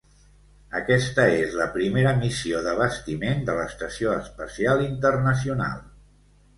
Aquesta és la primera missió d'abastiment de l'Estació Espacial Internacional.